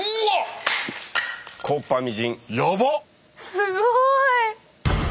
すごい。